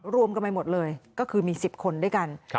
รวมกันไปหมดเลยก็คือมี๑๐คนด้วยกัน